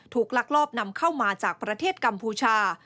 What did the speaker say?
ลักลอบนำเข้ามาจากประเทศกัมพูชา